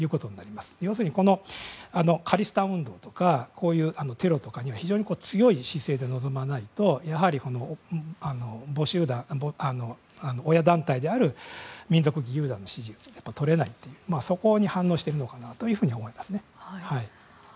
要するに、カリスタン運動とかこういうテロとか非常に強い姿勢で臨まないとやはり親団体である民族義勇団の支持はとれないというそこに反応しているのかなと思いますね。